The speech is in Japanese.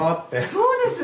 そうですね。